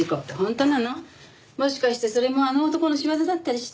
もしかしてそれもあの男の仕業だったりして。